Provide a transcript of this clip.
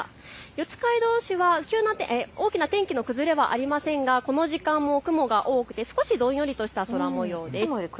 四街道市は、大きな天気の崩れはありませんがこの時間も雲が多くて少しどんよりとした空もようです。